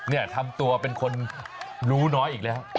เนี่ยทำตัวเป็นคนรู้น้อยอีกแล้ว